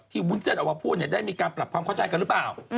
วุ้นเส้นออกมาพูดได้มีการปรับความเข้าใจกันหรือเปล่า